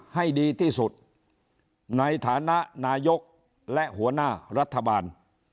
ให้ดีที่สุดในฐานะนายกและหัวหน้ารัฐบาล